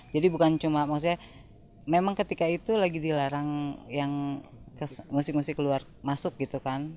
jadi bukan cuma maksudnya memang ketika itu lagi dilarang yang musik musik keluar masuk gitu kan